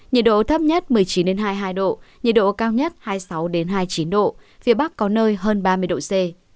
nhiệt độ thấp nhất một mươi chín hai mươi hai độ nhiệt độ cao nhất hai mươi sáu hai mươi chín độ phía bắc có nơi hơn ba mươi độ c